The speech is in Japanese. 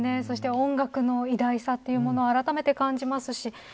そして音楽の偉大さというのをあらためて感じますし